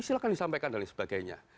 silahkan disampaikan dan sebagainya